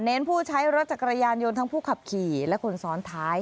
ผู้ใช้รถจักรยานยนต์ทั้งผู้ขับขี่และคนซ้อนท้าย